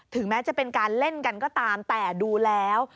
แม้จะเป็นการเล่นกันก็ตามแต่ดูแล้ว